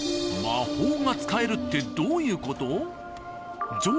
魔法が使えるってどういう事？